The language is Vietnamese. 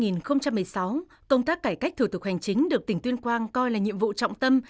năm hai nghìn một mươi sáu công tác cải cách thủ tục hành chính được tỉnh tuyên quang coi là nhiệm vụ trọng tâm